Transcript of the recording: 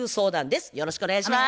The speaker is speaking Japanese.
よろしくお願いします。